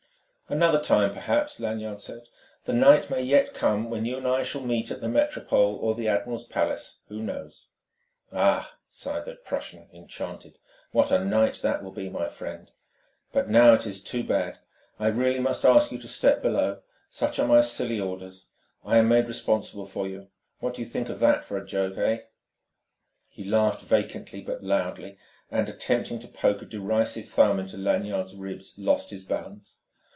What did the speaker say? "Another time, perhaps," Lanyard said. "The night may yet come when you and I shall meet at the Metropole or the Admiral's Palace.... Who knows?" "Ah!" sighed the Prussian, enchanted. "What a night that will be, my friend!... But now, it is too bad, I really must ask you to step below. Such are my silly orders. I am made responsible for you. What do you think of that for a joke, eh?" He laughed vacantly but loudly, and, attempting to poke a derisive thumb into Lanyard's ribs, lost his balance.